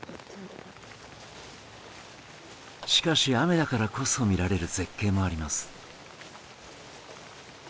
しかし雨だからこそ見られる絶景もあります。